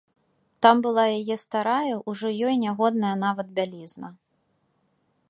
Там была яе старая, ужо ёй нягодная нават, бялізна.